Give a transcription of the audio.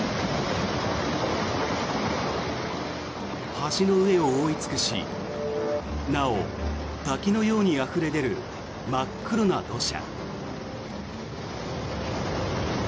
橋の上を覆い尽くしなお滝のようにあふれ出る真っ黒な土砂。